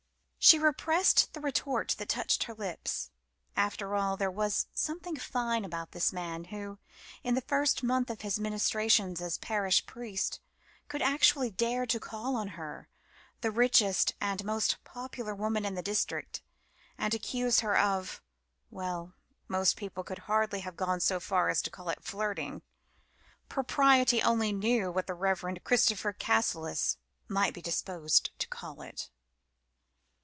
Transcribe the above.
She repressed the retort that touched her lips. After all, there was something fine about this man, who, in the first month of his ministrations as Parish Priest, could actually dare to call on her, the richest and most popular woman in the district, and accuse her of well, most people would hardly have gone so far as to call it flirting. Propriety only knew what the Reverend Christopher Cassilis might be disposed to call it.